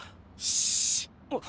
しっ！